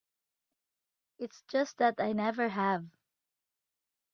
It's just that I never have.